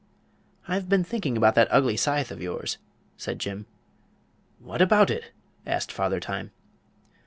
"I've been thinking about that ugly scythe of yours," said Jim. "What about it?" asked Father Time.